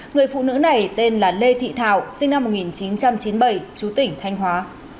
người phụ nữ này tên là lê thị thảo sinh năm một nghìn chín trăm chín mươi bảy chú tỉnh thanh hóa